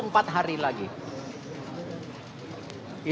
dan berterima kasih